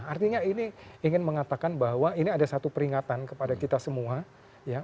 artinya ini ingin mengatakan bahwa ini ada satu peringatan kepada kita semua ya